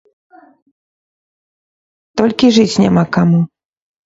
Толькі жыць няма каму.